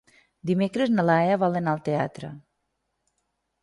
Dimecres na Laia vol anar al teatre.